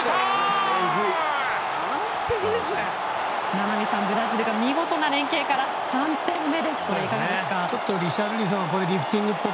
名波さん、ブラジルが見事な連係から３点目です。